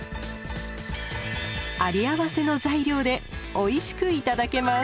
有り合わせの材料でおいしく頂けます。